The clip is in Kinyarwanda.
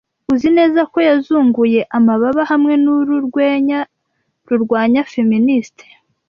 Uzi neza ko yazunguye amababa hamwe nuru rwenya rurwanya feministe.